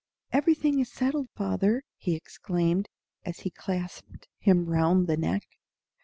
"Everything is settled, father!" he exclaimed, as he clasped him round the neck.